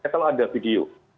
kalau ada video